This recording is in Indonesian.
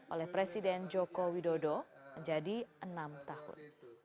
oleh presiden joko widodo menjadi enam tahun